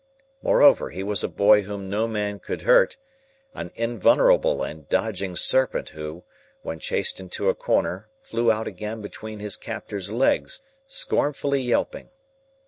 Moreover, he was a boy whom no man could hurt; an invulnerable and dodging serpent who, when chased into a corner, flew out again between his captor's legs, scornfully yelping.